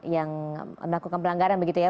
yang melakukan pelanggaran begitu ya